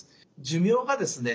寿命がですね